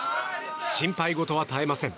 心配事は絶えません。